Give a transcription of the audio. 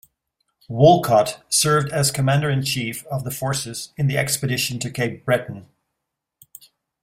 Wolcott served as Commander-in-Chief of the Forces in the Expedition to Cape Breton.